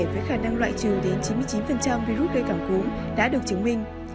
với khả năng loại trừ đến chín mươi chín virus gây cảm cúm đã được chứng minh